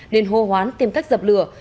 lên hô hoán tìm cách dập lửa